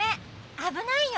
あぶないよ。